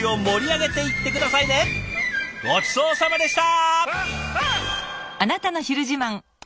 ごちそうさまでした！